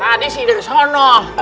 tadi sih dari sana